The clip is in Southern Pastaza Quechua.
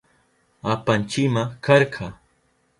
Apanchima karka.